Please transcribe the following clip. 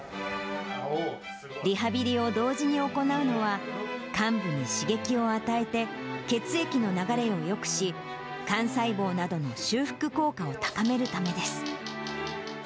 リハビリを同時に行うのは、患部に刺激を与えて、血液の流れをよくし、幹細胞などの修復を高めるためです。